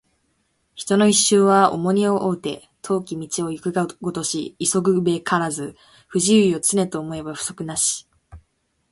人の一生は重荷を負うて、遠き道を行くがごとし急ぐべからず不自由を、常と思えば不足なし